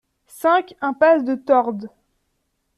cinq impasse de Tordes